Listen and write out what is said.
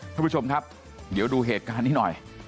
ท่านผู้ชมครับเดี๋ยวดูเหตุการณ์นี้หน่อย